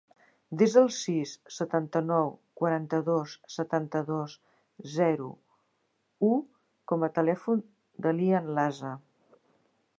Desa el sis, setanta-nou, quaranta-dos, setanta-dos, zero, u com a telèfon de l'Ian Lasa.